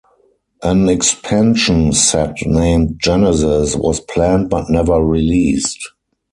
An expansion set named "Genesis" was planned but never released.